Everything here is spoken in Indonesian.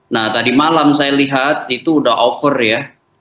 nah tadi malam saya lihat itu udah over ya